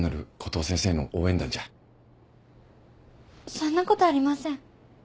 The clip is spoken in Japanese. そんなことありません。